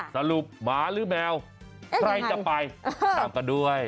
หมาหรือแมวใครจะไปตามกันด้วย